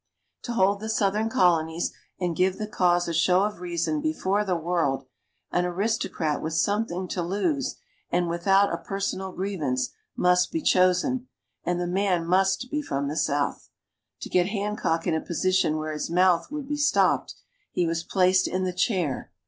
To hold the Southern Colonies and give the cause a show of reason before the world, an aristocrat with something to lose, and without a personal grievance, must be chosen, and the man must be from the South. To get Hancock in a position where his mouth would be stopped, he was placed in the chair.